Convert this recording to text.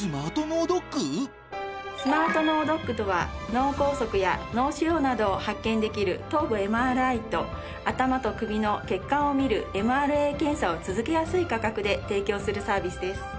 スマート脳ドックとは脳梗塞や脳腫瘍などを発見できる頭部ＭＲＩと頭と首の血管を見るＭＲＡ検査を続けやすい価格で提供するサービスです。